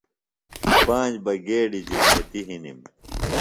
پانج بہ گیڈیۡ جُمیتیۡ ہِنِم۔